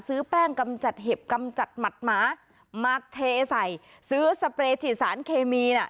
ซื้อแป้งกำจัดเห็บกำจัดหมัดหมามาเทใส่ซื้อสเปรย์ฉีดสารเคมีน่ะ